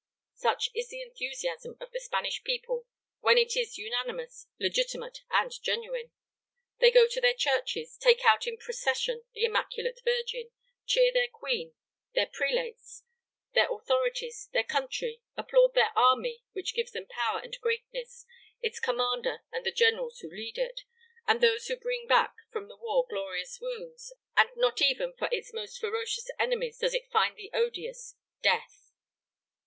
Such is the enthusiasm of the Spanish people when it is unanimous, legitimate, and genuine; they go to their churches, take out in procession the Immaculate Virgin, cheer their queen, their prelates, their authorities, their country, applaud their army, which gives them power and greatness, its commander and the generals who lead it, and those who bring back from the war glorious wounds; and not even for its most ferocious enemies does it find the odious "Death!"